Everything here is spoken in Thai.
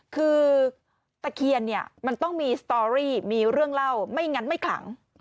คือตะเคียนเนี่ยมันต้องมีสตอรี่มีเรื่องเล่าไม่งั้นไม่ขลัง